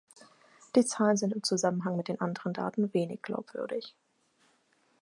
Die Zahlen sind im Zusammenhang mit den anderen Daten wenig glaubwürdig.